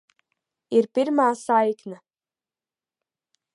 Ir pirmā saikne.